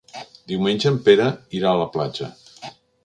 Diumenge en Pere irà a la platja.